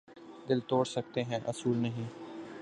دل توڑ سکتے ہیں اصول نہیں